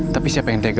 tapi siapa yang tega